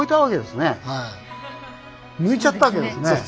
抜いちゃったわけですね。